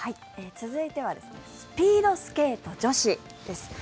続いてはスピードスケート女子です。